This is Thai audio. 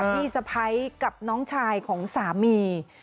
พี่สะพ้ายกับน้องชายของสามี